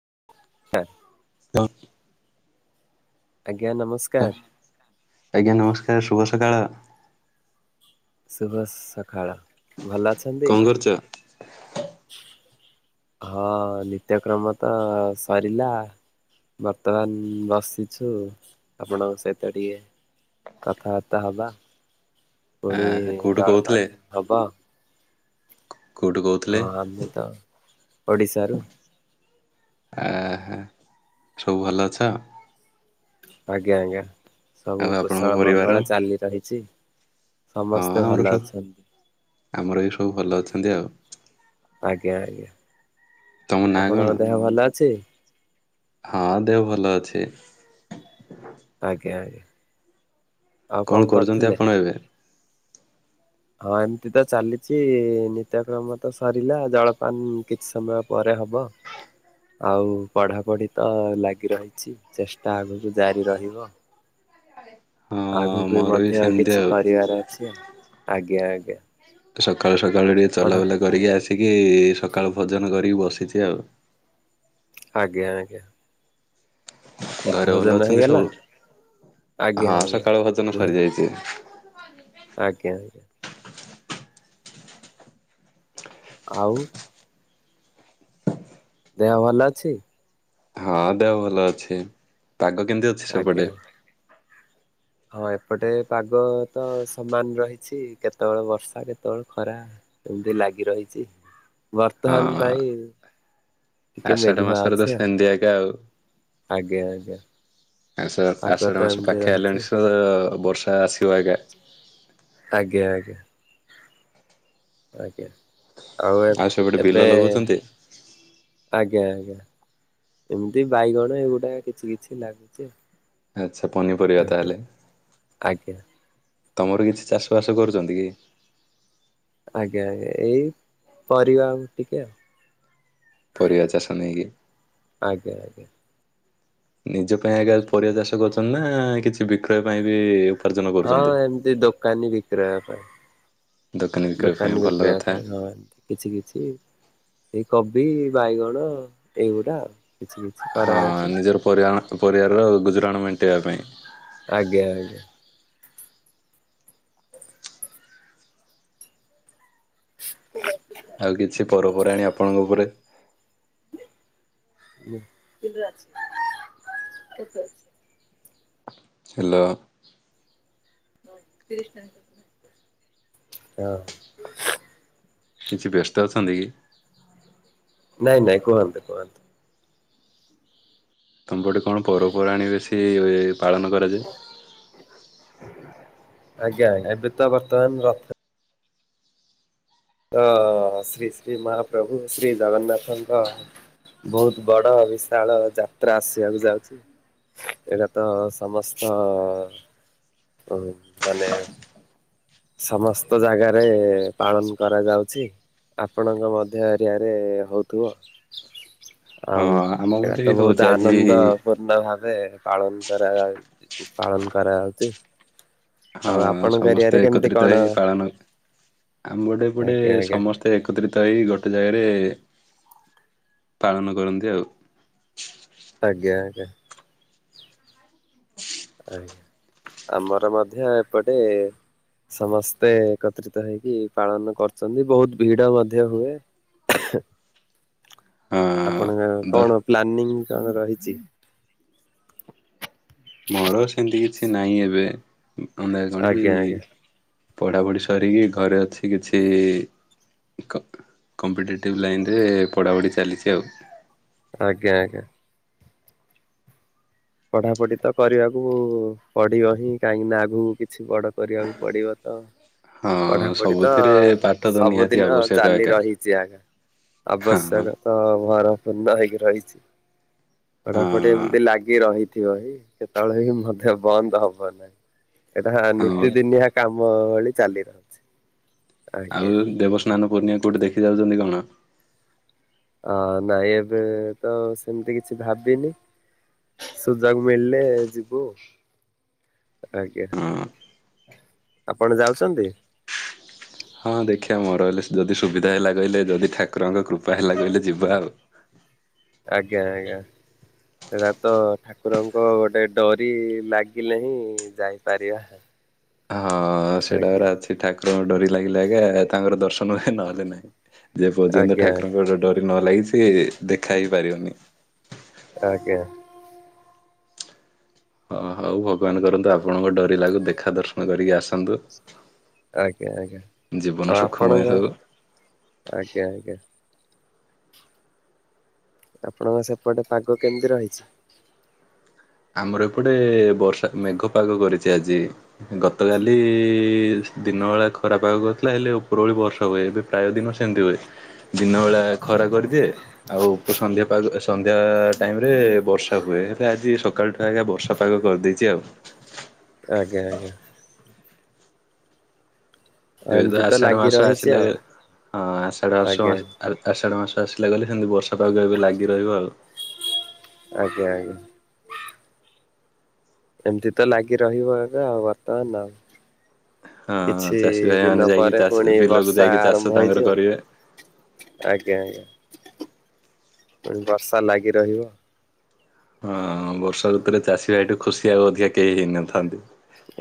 [unintelligible] ଆଜ୍ଞା ହଁ ନମସ୍କାର ଆଜ୍ଞା ନମସ୍କାର ଶୁଭ ସକାଳ। ଶୁଭ ସକାଳ ଭଲ ଅଛନ୍ତି? କଣ କରୁଛ? ହଁ ନିତ୍ୟକ୍ରମ ତ ସରିଲା ବର୍ତ୍ତମାନ ବସିଛୁ ଆପଣଙ୍କ ସହିତ ଟିକେ କଥାବାର୍ତ୍ତା ହବା ଆ ପୁଣି କୋଉଠୁ କହୁଥିଲେ? ଜଳପାନ ହବ। କୋଉଠୁ କହୁଥିଲେ? ହଁ ଆମେ ତ ଓଡ଼ିଶାରୁ। ଆ ହା ସବୁ ଭଲ ଅଛ। ଆଜ୍ଞା ଆଜ୍ଞା ଆଉ ସବୁ ଆପଣଙ୍କ କୁଶଳ ପରିବାର? ମଙ୍ଗଳ ଚାଲି ରହିଚି। ହଁ ଆମର ସବୁ ଆମର ଏ ସବୁ ଭଲ ଅଛନ୍ତି ଆଉ। ଆଜ୍ଞା ଆଜ୍ଞା ତମ ନାଁ କଣ? ଆପଣଙ୍କ ଦେହ ଭଲ ଅଛି? ହଁ ଦେହ ଭଲ ଅଛି। ଆଜ୍ଞା ଆଜ୍ଞା। ଆଉ କଣ କରୁଚନ୍ତି କରୁଥିଲେ? ଆପଣ ଏବେ? ହଁ ଏମତି ତ ଚାଲିଚି ନିତ୍ୟକ୍ରମ ତ ସରିଲା ଜଳପାନ କିଛି ସମୟ ପରେ ହବ। ଆଉ ପଢାପଢି ତ ଲାଗି ରହିଛି ଚେଷ୍ଟା ଆଗକୁ ଜାରି ରହିବ। ହଁ ଆଗକୁ ବି ମୋର ମଧ୍ୟ ସେମିତି କିଛି ଆଉ। କରିବାର ଅଛି ଆଉ ଆଜ୍ଞା ଆଜ୍ଞା। ସକାଳୁ ସକାଳୁ ଟିକେ ପଢା ଚଲାବୁଲା କରିକି ଆସିକି ସକାଳୁ ଭଜନ କରିକି ବସ କିଛି ଆଉ। ଆଜ୍ଞା ଆଜ୍ଞା। ଘରେ ଭଲ ଭୋଜନ ଅଛନ୍ତି ହେଇଗଲା ସବୁ? ଆଜ୍ଞା ହଁ ଆଜ୍ଞା। ସକାଳ ଭଜନ ନିହା ସରିଯାଇଛି। ଆଜ୍ଞା। ଆଉ ଦେହ ଭଲ ଅଛି? ହଁ ଦେହ ଭଲ ଅଛି ପାଗ କେମିତି ଅଛି ଆଜ୍ଞା ସେପଟେ ହଁ ଏପଟେ ପାଗ ତ ସମାନ ରହିଛି। କେତେବେଳେ ବର୍ଷା କେତେବେଳେ ଖରା ଏମତି ଲାଗି ରହିଛି ବର୍ତ୍ତମାନ ପାଇଁ ଟିକେ ଆଷାଠ ମେଘୁଆ ମାସରେ ଅଛି ତ ଆଉ। ସେନ୍ତି ଆଜ୍ଞା ଆଉ। ଆଜ୍ଞା ଆଜ୍ଞା। ଆଷ ପାଗ ତ ଆଷାଢ଼ ମାସ ଏମିତି ପାଖେଆ ରହିଛି ଆଲାଣି ସ ବର୍ଷା ଆସିବ ଆଜ୍ଞା। ଆଜ୍ଞା ଆଜ୍ଞା। ଆଜ୍ଞା ଆଉ ସେପଟେ ବିଲ ଏବେ ଲଗଉଛନ୍ତି? ଆଜ୍ଞା ଆଜ୍ଞା ଏମିତି ବାଇଗଣ ଏଗୁଡା କିଛି କିଛି ଲାଗୁଛି ଆଉ। ଆଛା ପନିପରିବା ତାହେଲେ ଆଜ୍ଞା। ତମର କିଛି ଚାଷ ବାସ କରୁଚନ୍ତି କି? ଆଜ୍ଞା ଆଜ୍ଞା ଏଇ ପରିବା ଟିକେ ଆଉ ପରିବା ଚାଷ ନେଇକି ଆଜ୍ଞା ଆଜ୍ଞା। ନିଜ ପାଇଁ ଆଜ୍ଞା ପରିବା ଚାଷ କରୁଛନ୍ତି ନା କିଛି ବିକ୍ରୟ ପାଇଁ ବି ଉପାର୍ଜନ ହଁ କରୁଛନ୍ତି? ଏମତି ଦୋକାନ ହଁ ବିକ୍ରା ପାଇଁ। ଦୋକାନୀ ବିକ୍ରୟ ପାଇଁ ଦୋକାନ ଭଲ ବିକ୍ରୟା କଥା। ପାଇଁ ହଁ ଏ କିଛି କିଛି ଏ କବ ବି ବାଇଗଣ ଏଇଗୁଟା ଆଉ। କିଛି କିଛି ହଁ କରାହଉଛି ନିଜର ପରିବାରର ଗୁଜୁରାଣ ମେଣ୍ଟେଇିବା ପାଇଁ। ଆଜ୍ଞା ଆଜ୍ଞା। [inaudible] ଆଉ କିଛି ପରର୍ପରାଣିୀ ଆପଣଙ୍କ ଉପରେ। କିିଲ ଅଛି କେଠ ଅ ହେଲୋ। [unintelligible] କିଛି ବ୍ୟସ୍ତ ଅଛନ୍ତି କି? ନାଇଁ ନାଇଁ କୁହନ୍ତୁ କୁହନ୍ତୁ। ତମ ପଟେ କଣ ପର୍ବପର୍ବାଣି ହୁଏ ପାଳନ କରାଯାଏ। ଆଜ୍ଞା ଆଜ୍ଞା ଏବେତା ବର୍ତ୍ତମାନ ରଥ ହ ଶ୍ରୀ ଶ୍ରୀ ମହାପ୍ରଭୁ ଶ୍ରୀ ଜଗନ୍ନାଥନଙ୍କ। ବହୁତ ବଡ ବିଶାଳ ଯାତ୍ରା ଆସିବାକୁ ଯାଉଛି। ଏଇଟା ତ ସମସ୍ତ ମାନେ ସମସ୍ତ ଜାଗାରେ ପାଳନ କରାଯାଉଛି। ଆପଣଙ୍କ ମଧ୍ୟ ଏରିଆରେ ହଉଥିବ ହଁ ଆଉ ଆମ ଗୋଟେ ଏଇଟା ବି ତ ହଉଛି ବହୁତ ଆଜି ଆନନ୍ଦ ପୂର୍ଣ୍ଣ ଭାବେ। ପାଳନ କରା ପାଳନ କରାଇଛି। ହଁ ସମସ୍ତେ ଏକତ୍ରିତ କଣ ହେଇ ପାଳନ ଆମବଟେପ ଟେ ଆଜ୍ଞା ଆଜ୍ଞା ସମସ୍ତେ ଏକତ୍ରିତ। ତ ହେଇ ଗୋଟେ ଜାଗାରେ ପାଳନ କରନ୍ତି ଆଉ। ଆଜ୍ଞା ଆଞା ଆଜ୍ଞା ଆମର ମଧ୍ୟ ଏପଟେ। ସମସ୍ତେ ଏକତ୍ରିତ ହେଇକି ପାଳନ କରୁଛନ୍ତି ବହୁତ ଭିଡ ମଧ୍ୟ ହୁଏ। ହଁ ଆପଣଙ୍କ ଦ କଣ ପ୍ଲାନିଂ କଣ ରହିଛି। ମୋର ସେମିତି କିଛି ନାହିଁ ଏବେ ଅଧା କଣ କି। ଆଜ୍ଞା ଆଜ୍ଞା ପଢାପଢି ସରିକି ଘରେ ଅଛି କିଛି। କମ୍ପିଟେଟିଭ୍ ଲାଇନ୍ରରେ ପଢ଼ାପଢ଼ି ଚାଲିଛି ଆଉ। ଆଜ୍ଞା ଆଜ୍ଞା। ପଢା ପଢି ତ କରିବାକୁ ପଢିବ ହିଁ କାହିଁକି ନା ଆଗକୁ କି କିଛି ବଡ଼ କରିବାକୁ ପଡ଼ିବ ତ ହଁ ପଢାପଢି ତ ସବୁଥିରେ ପାଠ ତ ନିହାତି ସବୁଦିନ ଆବଶ୍ୟକ ଚାଲି ଏକା। ରହିଛି ଆଗା ହଁ ହଁ ଆବଶ୍ୟକ ତ ଭରପୂର୍ଣ ହେଇକି ରହିଛି ହଁ ପଢାପଢ଼ି ଏମତି ଲାଗି ିବଇ କେତେବେଳେ ବି ମଧ୍ୟେ ବନ୍ଦ ହବ ନାହିଁ ଏଟା ହଁ ନିତି ଦିନିଆ କାମ ମ ଭଳି ଚାଲି ରହୁଛି। ଆଜ୍ଞା। ଆଉ ଦେବସ୍ନାନ ପୂର୍ଣିଆ କୋଉଠି ଦେଖି ଯାଉଛନ୍ତି କଣ। ଅ ନାଇଁ ଏବେ ତ ସେମିତି କିଛି ଭାବିନି। ସୁଜାକୁ ମିଳିଲେ ଯିବୁ ଆଜ୍ଞା। ହଁ ଆପଣ ଯାଉଛନ୍ତି। ହଁ ଦେଖିବା ମୋର ଯଦି ସୁବିଧା ହେଲା କହିଲେ ଯଦି ଠାକୁରଙ୍କ କୃପା ହେଲା କହିଲେ ଯିବା ଆଉ। [inaudible] ଆଜ୍ଞା ଆଜ୍ଞା। ସେଇଟା ତ ଠାକୁରଙ୍କ ଗୋଟେ ଡରି ଲାଗିଲେ ହିଁ ଯାଇପାରିବା। ହଁ ଆଜ୍ଞା ସେଟାକ ଅଛି ଠାକୁରଙ୍କୁ ଡରି ଲାଗିଲା ଆଜ୍ଞା ତାଙ୍କର ଦର୍ଶନ ବି ନହେଲେ ନାହିଁ। ଯେ ପର୍ଯ୍ୟନ୍ତ ଆଜ୍ଞା ଠାକୁରଙ୍କଟେ ଡରି ନ ଲାଗି ସି ଦେଖା ହେଇ ପାରିବନି। ଆଜ୍ଞା। ହଁ ହଉ ଭଗବାନ କରନ୍ତୁ ଆପଣଙ୍କ ଡୋରି ଲାଗୁ ଦେଖା ଦର୍ଶନ କରିକି ଆସନ୍ତୁ। ଆଜ୍ଞା ଆଜ୍ଞା ଜୀବନ ଆ ସୁଖମୟ ଆପଣଙ୍କ ହଉ। ଆଜ୍ଞା ଆଜ୍ଞା। ଆପଣଙ୍କ ସେପଟେ ପାଗ କେମିତି ରହିଛି? ଆମର ଏପଟେ ବର୍ଷା ମେଘ ପାଗ କରିଛି ଆଜି। ଗତକାଲି ଦିନ ବେଳା ଖରା ପାଗ କରିଥିଲା, ହେଲେ ଉପର ଭଳି ବର୍ଷା ହୁଏ ଏବେ ପ୍ରାୟ ଦିନ ସେମିତି ହୁଏ ଦିନ ବେଳା ଖରା କରିଦିଏ ଆଉ ସନ୍ଧ୍ୟା ପାଗ ସନ୍ଧ୍ୟା ଟାଇମରେ ବର୍ଷା ହୁଏ ହେଲେ ଆଜି ସକା ସକାଳଠୁ ଆଜ୍ଞା ବର୍ଷା ପାଗ କରିଦେଇଛି ଆଉ। ଆଜ୍ଞା ଆଜ୍ଞା। ଏକରେ ତ ଏମିତି ଆଷାଢ ଲାଗି ମାସ ରହିଛି ଆସିଲା ଆଉ ହଁ ଆଷାଢ ମାସ ଆଜ୍ଞା। ଆଷାଢ ମାସ ଆସିଲା ବୋଲି ସେମତି ବର୍ଷା ପାଗ ଏବେ ଲାଗି ରହିବ ଆଉ। ଆଜ୍ଞା ଆଜ୍ଞା। ଏମିତି ତ ଲାଗି ରହିବ ଏବେ ଆଉ ବର୍ତ୍ତମାନ ଆଉ। ହଁ କିଛି ଚାଷୀ ଭାଇମାନେ ଦିନ ଯାଇକି ପରେ ଚାଷ ପୁଣି ବିଲକୁ ବର୍ଷା ଯାଇକି ଚାଷ ଆରମ୍ଭ ତାଙ୍କର ହେଇଯିବ। କରିବେ। ଆଜ୍ଞା ଆଜ୍ଞା ପୁଣି ବର୍ଷା ଲାଗି ରହିବ। ହଁ ବର୍ଷା ଋତରେ ଚାଷୀ ଭାଇଠୁ ଖୁସି ଆଉ ଅଧିକା କେହି ହେଇନଥାନ୍ତି।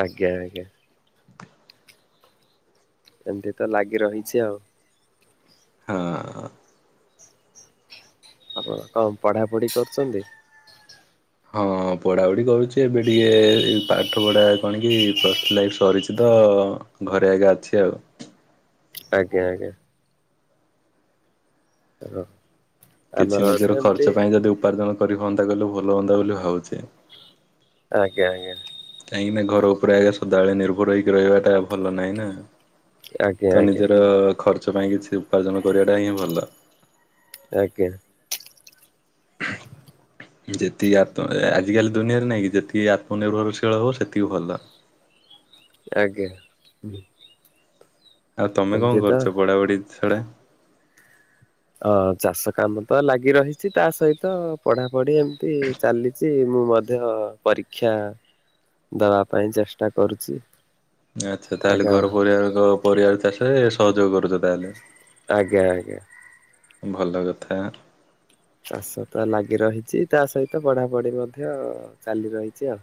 ଆଜ୍ଞା ଆଜ୍ଞା। ଏମିତି ତ ଲାଗି ରହିଛି ଆଉ। ହଁ। ଆପଣ କଣ ପଢାପଢି କରୁଛନ୍ତି? ହଁ ପଢାପଢି କରୁଛି ଏବେ ଟିକେ ପାଠ ପଢା କଣ କି ପ୍ଲସ ଥ୍ରୀ ସରିଛି ତ। ତ ଘରେ ଆଜ୍ଞା ଅଛି ଆଉ। ଆଜ୍ଞା ଆଜ୍ଞା। [unintelligible] କିଛି ଆମର ବୋଧେ ନିଜର ଏମିତି ଖର୍ଚ୍ଚ ପାଇଁ ଯଦି ଉପାର୍ଜନ କରି ହୁଅନ୍ତା କହିଲେ ଭଲ ହୁଆନ୍ତା ବୋଲି ଭାବୁଛି। ଆଜ୍ଞା ଆଜ୍ଞା। କାହିଁକି ନା ଘର ଉପରେ ଆଗେ ସଦାବେଳେ ନିର୍ଭର ହେଇକି ରହିବାଟା ଭଲ ନାହିଁ ନା। ଆଜ୍ଞା ତ ଆଜ୍ଞା ନିଜର ଖର୍ଚ୍ଚ ପାଇଁ କିଛି ଉପାର୍ଜନ କରିବାଟା ହିଁ ଭଲ। ଆଜ୍ଞା। ଯେତିକି ଆତ ଆଜିକାଲି ଦୁନିଆରେ ନାଇଁ କି ଯେତିକି ଆତ୍ମନିର୍ଭରଶୀଳ ହବ ସେତିକି ଭଲ। [inaudible] ଆଜ୍ଞା। ଆଉ ତମେ ଏମିତି କଣ ତ କରୁଛ ପଢାପଢି ଛଡ଼ା? ଅଁ ଚାଷ କାମ ତ ଲାଗି ରହିଛି ତା ସହିତ ପଢାପଢି ଏମିତି ଚାଲିଛି ମୁଁ ମଧ୍ୟ ପରୀକ୍ଷା ଦବା ପାଇଁ ଚେଷ୍ଟା କରୁଛି। ଆଚ୍ଛା ତାହେଲେ ଆଜ୍ଞା ଘର ପରିବାର ପରିବାର ଚାଷ ସହଯୋଗ କରୁଛ ତାହେଲେ। ଆଜ୍ଞା ଆଜ୍ଞା। ଭଲ କଥା। ଚାଷ ତ ଲାଗି ରହିଛି ତା ସହିତ ପଢାପଢି ମଧ୍ୟ ଚାଲି ରହିଛି ଆଉ।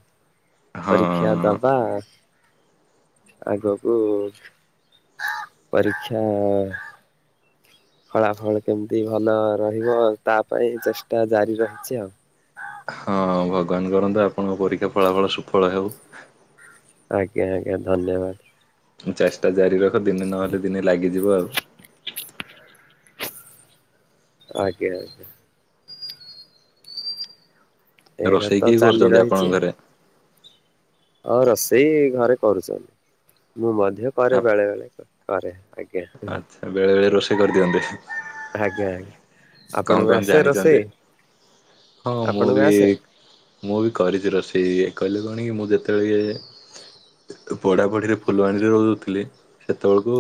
ହଁ ପରୀକ୍ଷା ଦବା ଆଗକୁ ପରୀକ୍ଷା ଫଳାଫଳ କେମିତି ଭଲ ରହିବ ତା ପାଇଁ ଚେଷ୍ଟା ଜାରି ରହିଛି ଆଉ। ହଁ ଭଗବାନ କରନ୍ତୁ ଆପଣଙ୍କ ପରୀକ୍ଷା ଫଳାଫଳ ସୁଫଳ ହଉ। ଆଜ୍ଞା ଆଜ୍ଞା ଧନ୍ୟବାଦ। ଚେଷ୍ଟା ଜାରି ରଖ ଦିନେ ନହେଲେ ଦିନେ ଲାଗିଯିବ ଆଉ। ଆଜ୍ଞା ଆଜ୍ଞା। ଏଇଟା ତ ରୋଷେଇ କିଏ ଚାଲି କରୁଛନ୍ତି ରହିଛି। ଆପଣଙ୍କ ଘରେ? ଆଉ ରୋଷେଇ ଘରେ କରୁଛନ୍ତି। ମୁଁ ମଧ୍ୟ କରେ ବେଳେବେଳେ କରେ। ଆଜ୍ଞା। ଆଛା ବେଳେ ବେଳେ ରୋଷେଇ କରିଦିଅନ୍ତି। ଆଜ୍ଞା ଆଜ୍ଞା। କଣ ଆପଣଙ୍କୁ କଣ ଆସେ ଜାଣିଚନ୍ତି? ରୋଷେଇ ହଁ ମୁଁ ଆପଣଙ୍କୁ ବି ଆସେ ମୁଁ ବି କରିଛି ରୋଷେଇ। କହିଲ କଣ କି ମୁଁ ଯେତେବେଳେ ପଢ଼ାପଢ଼ି ରେ ଫୁଲବାଣୀରେ ରହୁଥିଲି ସେତେବେଳକୁ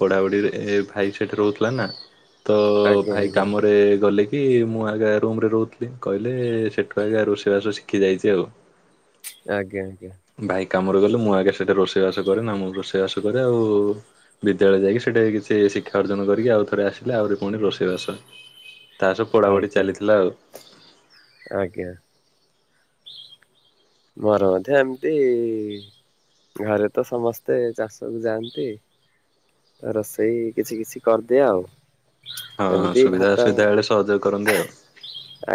ପଢାପଢ଼ିରେ ଭାଇ ସେଠି ରହୁଥିଲା ନା। ତ ଆଜ୍ଞା ଭାଇ ଆଜ୍ଞା। କାମରେ ଗଲେ କି ମୁଁ ଆଜ୍ଞା ରୁମରେ ରହୁଥିଲି କହିଲେ ସେଠୁ ଆଜ୍ଞା ରୋଷେଇବାସ ଶିଖି ଯାଇଛି ଆଉ। ଆଜ୍ଞା। ବାଇକ୍। କାମରେ ଗଲେ ମୁଁ ଆଜ୍ଞା ସେଇଠି ରୋଷେଇବାସ କରେ ନା ମୁଁ ରୋଷେଇବାସ କରେ ଆଉ ବିଦ୍ୟାଳୟ ଯାଇକି ସେଇଠି ଶିକ୍ଷା ଅର୍ଜନ କରିକି ଆଉ ଥରେ ଆସିଲେ ଆହୁରି ପୁଣି ରୋଷେଇବାସ ତା ସହ ପଢ଼ାପଢ଼ି ଆଜ୍ଞା ଚାଲିଥିଲା ଆଉ। ଆଜ୍ଞା। ମୋର ମଧ୍ୟ ଏମିତି ଘରେ ତ ସମସ୍ତେ ଚାଷକୁ ଯାଆନ୍ତି। ତ ରୋଷେଇ କିଛି କିଛି କରିଦିଏ ଆଉ‌। ହଁ ଏମିତି ସୁବିଧା ଭାତ ଅସୁବିଧା ବେଳେ ସହଯୋଗ କରନ୍ତି ଆଉ।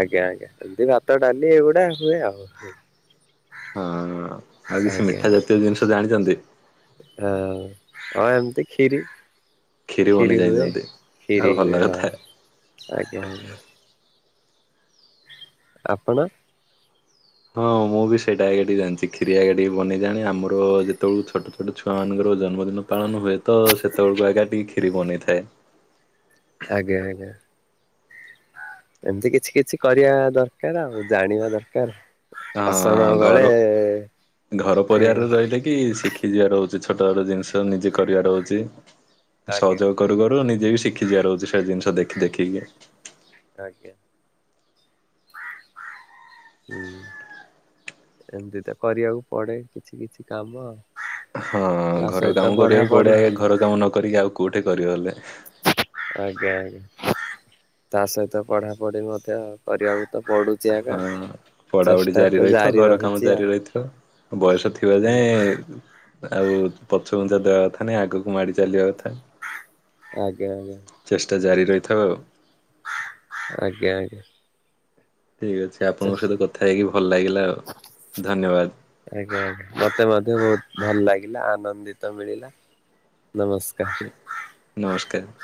ଆଜ୍ଞା ଆଜ୍ଞା। ଏମିତି ଭାତ ଡ଼ାଲି ଏଗୁଡା ହୁଏ ଆଉ। ହଁ ଆଉ କିଛି ଆଜ୍ଞା ମିଠା ଆଜ୍ଞା ଜାତୀୟ ଜିନିଷ ଜାଣିଛନ୍ତି। ହଁ ଏମତି ଖିରି। କ୍ଷୀରି ବନେଇ ଖିରି ହୁଏ ଜାଣିଛନ୍ତି ଆଉ ଖିରି ଭଲ ହୁଏ ହଁ କଥା। ଆଜ୍ଞା ଆଜ୍ଞା। ଆପଣ। ହଁ ମୁଁ ବି ସେଇଟା ଆଜ୍ଞା ଟିକେ ଜାଣିଛି ଖିରି ଆଜ୍ଞା ଟିକେ ବନେଇ ଜାଣେ ଆମର ଯେତେବେଳୁ ଛୋଟ ଛୋଟ ଛୁଆ ମାନଙ୍କର ଜନ୍ମଦିନ ପାଳନ ହୁଏ ତ ସେତେବେଳକୁ ଆଜ୍ଞା ଟିକେ କ୍ଷୀରି ବନେଇଥାଏ। ଆଜ୍ଞା ଆଜ୍ଞା। ଏମିତି କିଛି କିଛି କରିବା ଦରକାର ଆଉ ଜାଣିବା ଦରକାର। ଅସମୟ ହଁ ବେଳେ ଘର ଘର ଏ ପରିବାରରେ ରହିଲେ କି ଶିଖି ଯିବାରହୁ ଛୋଟ ଛୋଟ ଜିନିଷ ନିଜେ କରିବା ରହୁଛି। ଆଜ୍ଞା ସହଯୋଗ କରୁ କରୁ ନିଜେ ବି ଶିଖି ଯିବା ରହୁଛି ସେ ଜିନିଷ ଦେଖି ଦେଖିକି। ଆଜ୍ଞା ହୁଁ। ଏମିତି ତ କରିବାକୁ ପଡ଼େ କିଛି କିଛି କାମ। ହଁ ତା ଘର ସହିତ କାମ କରିବାକୁ ପଢାପଢି ପଡ଼େ ଆଜ୍ଞା ଘର କାମ ନ କରିକି ଆଉ କୋଉଠି କରିବ ହେଲେ। ଆଜ୍ଞା ଆଜ୍ଞା ତା ସହିତ ପଢ଼ାପଢ଼ି ମଧ୍ୟ କରିବାକୁ ତ ପଡୁଛି ହଁ [unintelligible] ପଢ଼ାପଢ଼ି ଚେଷ୍ଟା ତ ରହିଥିବ ଜାରି ଘର କାମ ରହିଛି ଜାରି ଆଉ। ରହିଥିବ ବୟସ ଥିବା ଆଜ୍ଞା ଯାଏଁ ଆଉ ପ ପଛଘୁଞ୍ଚା ଦେବା କଥା ନାଇଁ ଆଗକୁ ମାଡ଼ି ଚାଲିବା କଥା। ଆଜ୍ଞା ଆଜ୍ଞା। ତ ଜାରି ରହିଥାଉ ଆଉ। ଆଜ୍ଞା ଆଜ୍ଞା। ଠିକ୍ ଅଛି ଆପଣଙ୍କ ସହିତ କଥା ହେଇକି ଭଲ ଲାଗିଲା ଆଉ ଧନ୍ୟବାଦ। ଆଜ୍ଞା ମତେ ମଧ୍ୟ ବହୁତ୍ ଭଲ ଲାଗିଲା ଆନନ୍ଦିତ ମିଳିଲା। ନମସ୍କାର। ନମସ୍କାର।